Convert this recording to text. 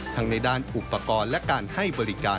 ในด้านอุปกรณ์และการให้บริการ